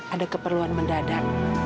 ada keperluan mendadak